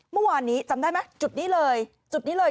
เมื่อวานนี้จำได้ไหมจุดนี้เลย